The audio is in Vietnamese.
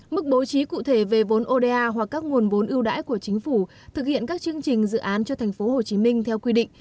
mức bố trí cụ thể về vốn oda hoặc các nguồn vốn ưu đãi của chính phủ thực hiện các chương trình dự án cho tp hcm theo quy định